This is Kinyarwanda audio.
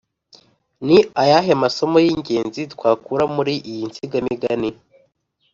ni ayahe masomo y’ingenzi twakura muri iyi nsigamigani?